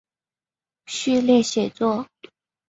序列写作。